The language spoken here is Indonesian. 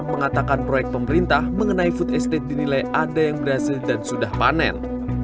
mengatakan proyek pemerintah mengenai food estate dinilai ada yang berhasil dan sudah panen